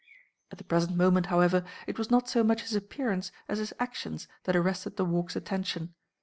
At the present moment, however, it was not so much his appearance as his actions that arrested the Walk's attention.